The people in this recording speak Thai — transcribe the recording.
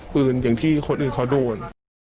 ปืนอย่างที่คนอื่นเขาโดน